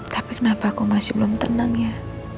tapi kenapa kau masih belum tenang ya